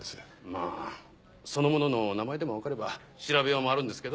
まぁその者の名前でも分かれば調べようもあるんですけど。